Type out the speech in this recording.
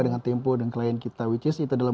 dengan tempo dan klien kita which is itu dalam